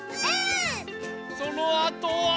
そのあとは。